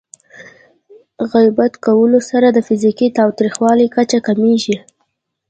غیبت کولو سره د فزیکي تاوتریخوالي کچه کمېږي.